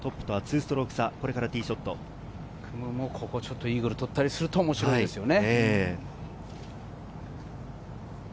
夢もここでイーグル取ったりすると面白いですよね。